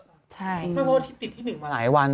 เพราะว่าที่ติดที่๑มาหลายวัน